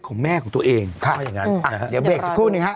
ของแม่ของตัวเองเขาว่าอย่างงั้นนะฮะเดี๋ยวเบรกสักครู่หนึ่งฮะ